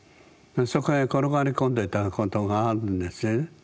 そこへ転がり込んでたことがあるんですね。